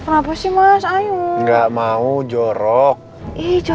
ngapain sih mas ayu nggak mau jorok ijo